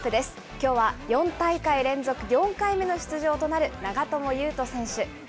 きょうは４大会連続４回目の出場となる長友佑都選手。